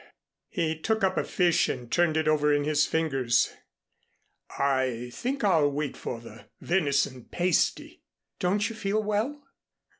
He took up a fish and turned it over in his fingers. "I think I'll wait for the venison pasty." "Don't you feel well?"